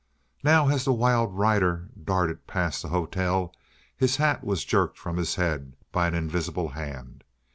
Now, as the wild rider darted past the hotel, his hat was jerked from his head by an invisible hand.